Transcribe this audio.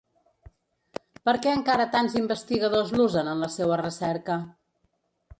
Per què encara tants investigadors l’usen en la seua recerca?